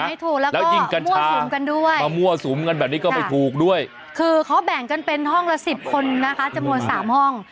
ไม่ถูกแล้วก็มั่วสูมกันด้วยคือเขาแบ่งกันเป็นห้องละ๑๐คนนะคะจำนวน๓ห้อง